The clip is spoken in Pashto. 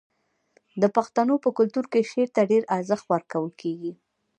د پښتنو په کلتور کې شعر ته ډیر ارزښت ورکول کیږي.